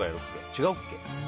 違うっけ？